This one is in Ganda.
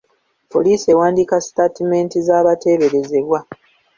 Poliisi ewandiika sitatimenti z'abateeberezebwa.